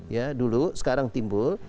ya dulu sekarang timbul